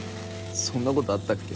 そんなことあったっけ？